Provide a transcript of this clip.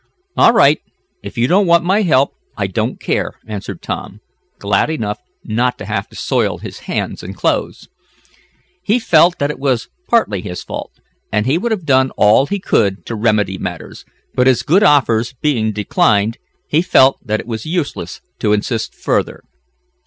"All right, if you don't want my help I don't care," answered Tom, glad enough not to have to soil his hands and clothes. He felt that it was partly his fault, and he would have done all he could to remedy matters, but his good offers being declined, he felt that it was useless to insist further.